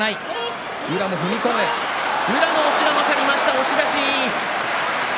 押し出し。